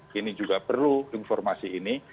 kini juga perlu informasi ini